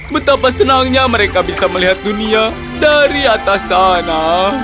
betapa senangnya mereka bisa melihat dunia dari atas sana